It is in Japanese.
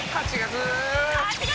「８月！」